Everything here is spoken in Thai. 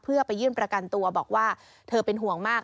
เพื่อไปยื่นประกันตัวบอกว่าเธอเป็นห่วงมาก